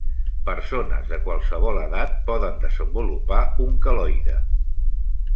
Persones de qualsevol edat poden desenvolupar un queloide.